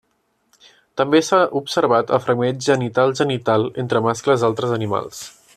També s'ha observat el fregament genital-genital entre mascles d'altres animals.